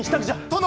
殿！